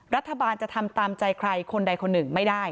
รัฐบาลจะทำตามใจใครคนใดคนหนึ่งไม่ได้